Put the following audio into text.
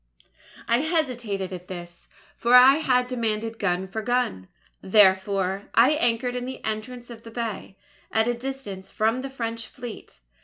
"I hesitated at this; for I had demanded gun for gun. "Therefore, I anchored in the entrance of the bay, at a distance from the French Fleet.